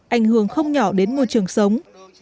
ảnh hưởng không nhỏ đến môi trường sống